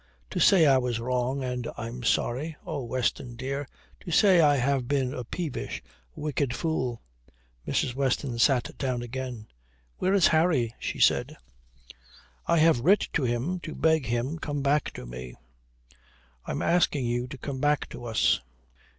"To say I was wrong and I'm sorry. Oh, Weston, dear, to say I have been a peevish wicked fool." Mrs. Weston sat down again. "Where is Harry?" she said. "I have writ to him to beg him come back to me." "I am asking you to come back to us."